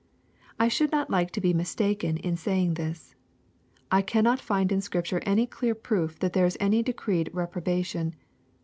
I should not like to be mistaken in saying this. I cannot find in Scripture any clear proof that there is any decreed reprobation.